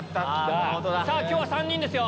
今日は３人ですよ。